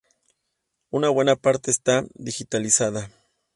Una buena parte está digitalizada.